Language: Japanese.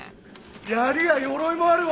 槍や鎧もあるわ！